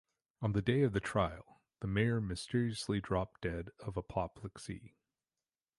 On the day of the trial, the Mayor mysteriously dropped dead of apoplexy.